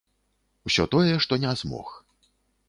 Усё тое, што не змог.